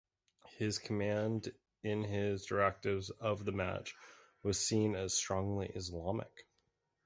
His command in his directives of the match was seen as strongly Islamic.